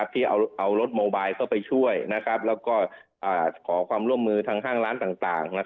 ที่เอารถโมบายเข้าไปช่วยแล้วก็ขอความร่วมมือทางห้างร้านต่าง